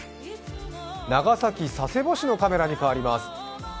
長崎佐世保市のカメラに変わります。